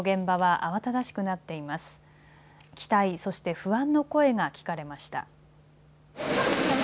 期待、そして不安の声が聞かれました。